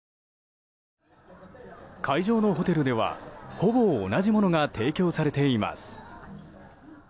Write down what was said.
会場のホテルではほぼ同じものが提供されています。